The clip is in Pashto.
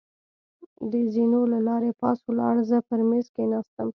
د زېنو له لارې پاس ولاړ، زه پر مېز کېناستم.